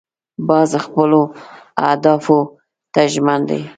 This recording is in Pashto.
باز خپلو اهدافو ته ژمن دی